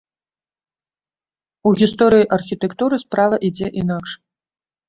У гісторыі архітэктуры справа ідзе інакш.